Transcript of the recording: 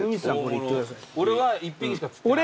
俺は１匹しか釣ってない。